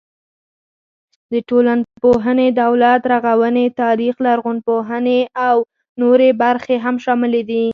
د ټولنپوهنې، دولت رغونې، تاریخ، لرغونپوهنې او نورې برخې هم شاملې دي.